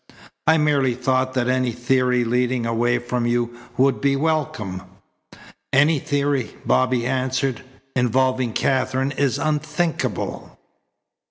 I merely thought that any theory leading away from you would be welcome." "Any theory," Bobby answered, "involving Katherine is unthinkable."